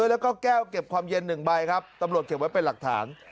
แล้วก็แก้วเก็บความเย็น๑ใบครับตำรวจเก็บไว้เป็นหลักฐาน